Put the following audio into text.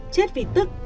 chết vì tức